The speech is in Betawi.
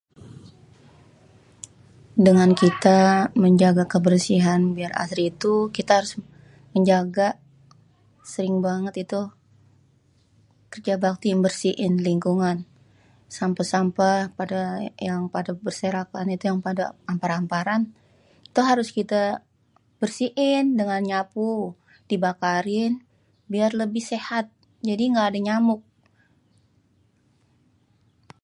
Dengan kita menjaga kebersihan biar asri itu kita harus menjaga sering banget itu kerja bakti bersiin lingkungan, sampe-sampeh pade yang pade berserakan itu pade ampar-amparan itu harus kite bersiin dengan nyapu di pel dibakarin biar lebih sehat jadi engga ada nyamuk